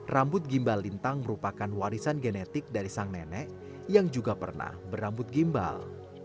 rambut gimbal lintang merupakan warisan genetik dari sang nenek yang juga pernah berambut gimbal